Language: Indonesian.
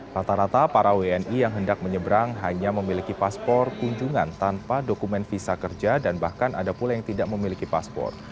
rata rata para wni yang hendak menyeberang hanya memiliki paspor kunjungan tanpa dokumen visa kerja dan bahkan ada pula yang tidak memiliki paspor